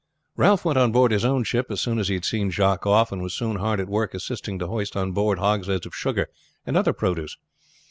Ralph went on board his own ship as soon as he had seen Jacques off, and was soon hard at work assisting to hoist on board hogsheads of sugar and other produce.